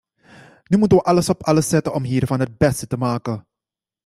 Nu moeten we alles op alles zetten om hiervan het beste te maken.